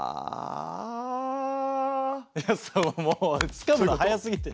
つかむの早すぎて。